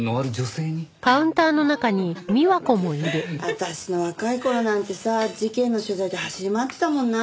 私の若い頃なんてさ事件の取材で走り回ってたもんなあ。